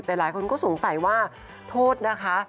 แต่หลายคนก็สงสัยว่าโทษนะคะ